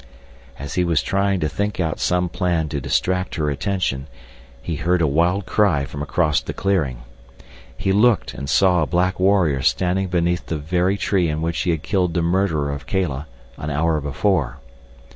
As he was trying to think out some plan to distract her attention he heard a wild cry from across the clearing. He looked and saw a black warrior standing beneath the very tree in which he had killed the murderer of Kala an hour before.